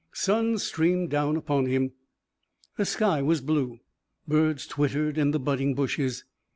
Sun streamed upon him; the sky was blue; birds twittered in the budding bushes.